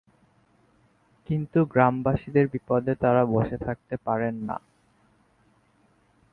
কিন্তু গ্রামবাসীর বিপদে তারা বসে থাকতে পারেন না।